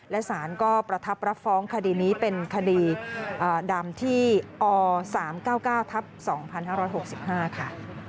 และสารก็ประทับรับฟ้องคดีนี้เป็นคดีดำที่อ๓๙๙ทับ๒๕๖๕ค่ะ